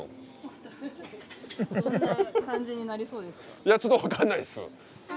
いやちょっと分かんないっす。